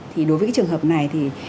thì đối với trường hợp này thì